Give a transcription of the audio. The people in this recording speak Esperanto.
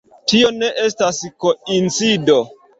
Tio ne estas koincido.